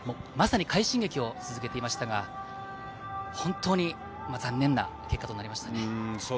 まさに快進撃を続けていましたが、本当に残念な結果となりましたね。